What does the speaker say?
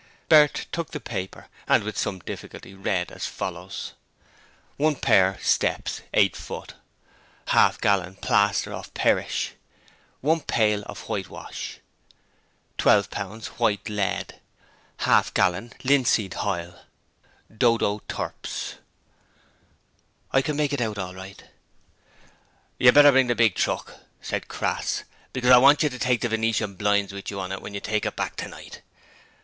Bert took the paper and with some difficulty read as follows: I pare steppes 8 foot 1/2 gallon Plastor off perish 1 pale off witewosh 12 lbs wite led 1/2 gallon Linsede Hoil Do. Do. turps 'I can make it out all right.' 'You'd better bring the big truck,' said Crass, 'because I want you to take the venetian blinds with you on it when you take it back tonight.